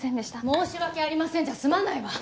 「申し訳ありません」じゃ済まないわ！